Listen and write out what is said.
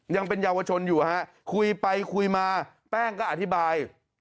ยังเป็นเยาวชนอยู่ฮะคุยไปคุยมาแป้งก็อธิบาย